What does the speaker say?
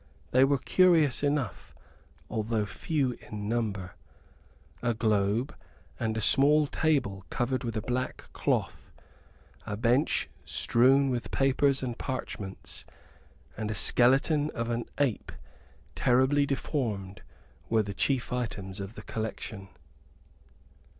They were curious enough, although few in number. A globe, and a small table covered with a black cloth; a bench strewn with papers and parchments; and a skeleton of an ape, terribly deformed, were the chief items of the collection.